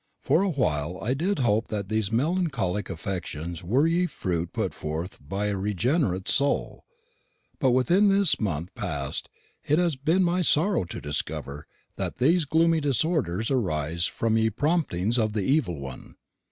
For awhile I did hope that these melancholic affections were ye fruit put forth by a regenerate soul; but within this month last past it has been my sorrow to discover that these gloomy disorders arise rather from ye promptings of the Evil One.